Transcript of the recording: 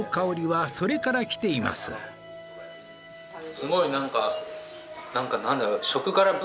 すごい何か何だろう。